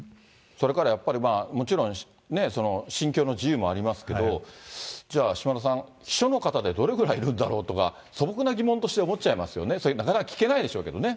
それからやっぱりもちろん、信教の自由もありますけど、じゃあ、島田さん、秘書の方ってどれぐらいいるんだろうとか、素朴な疑問として思っちゃいますよね、なかなか聞けないでしょうけどね。